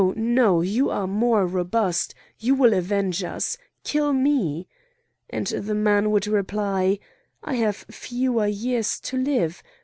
no! you are more robust! you will avenge us, kill me!" and the man would reply: "I have fewer years to live!